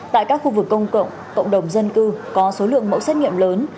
tại các khu vực công cộng cộng đồng dân cư có số lượng mẫu xét nghiệm lớn